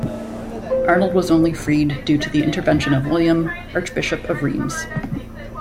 Arnold was only freed due to the intervention of William, Archbishop of Reims.